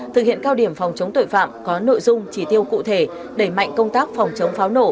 thực hiện cao điểm phòng chống tội phạm có nội dung chỉ tiêu cụ thể đẩy mạnh công tác phòng chống pháo nổ